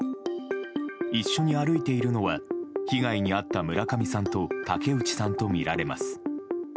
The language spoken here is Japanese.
一緒に歩いているのは被害に遭った村上さんと竹内さんとみられます。